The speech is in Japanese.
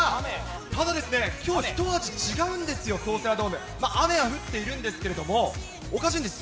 ただですね、きょう、一味違うんですよ、京セラドーム、雨は降っているんですけれども、おかしいんです。